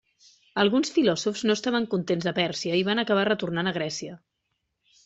Alguns filòsofs no estaven contents a Pèrsia i van acabar retornant a Grècia.